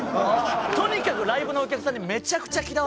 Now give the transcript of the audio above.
とにかくライブのお客さんにめちゃくちゃ嫌われてて。